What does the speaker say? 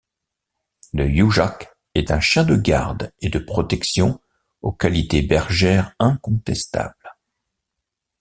Le Youjak est un chien de garde et de protection, aux qualités bergères incontestables.